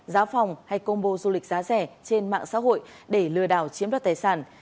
giá phòng hay combo du lịch giá rẻ trên mạng xã hội để lừa đảo chiếm đoạt tài sản